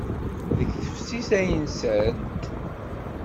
Deg teftist ay nsant.